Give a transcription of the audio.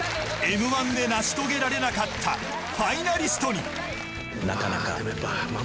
Ｍ‐１で成し遂げられなかったファイナリストに。